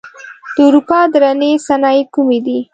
د اروپا درنې صنایع کومې دي؟